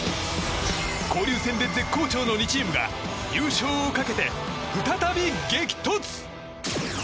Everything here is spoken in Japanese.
交流戦で絶好調の２チームが優勝をかけて再び激突。